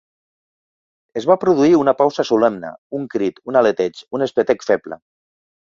Es va produir una pausa solemne, un crit, un aleteig, un espetec feble.